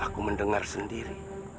dan aku mendengar sendiri